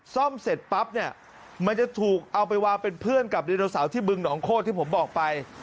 ซ่อมเสร็จปั๊บเนี่ยมันจะถูกเอาไปวางเป็นเพื่อนกับดีโนเสาร์ที่บึงหองโคตรที่ผมบอกไป